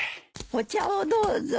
お茶をどうぞ。